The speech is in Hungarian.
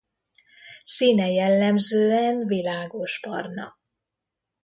Színe jellemzően világosbarna.